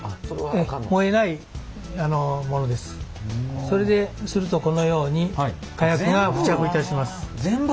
それでするとこのように火薬が付着いたします。